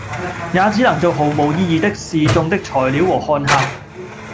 也只能做毫無意義的示衆的材料和看客，